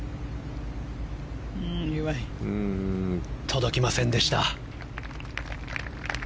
届きませんでした。